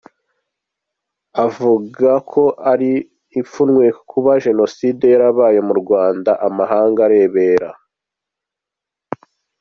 Avuga ko ari ipfunwe kuba Jenoside yarabaye mu Rwanda amahanga arebera.